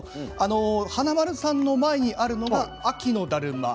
華丸さんの前にあるのは秋のだるま。